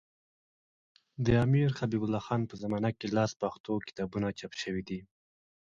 د امیرحبیب الله خان په زمانه کي لس پښتو کتابونه چاپ سوي دي.